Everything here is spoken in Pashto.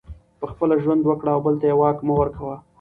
پخپله ژوند وکړه او بل ته یې واک مه ورکوه